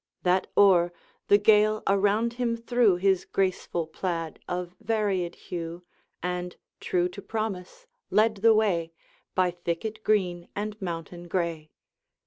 That o'er, the Gael around him threw His graceful plaid of varied hue, And, true to promise, led the way, By thicket green and mountain gray.